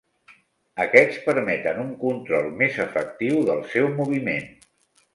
Aquests permeten un control més efectiu del seu moviment.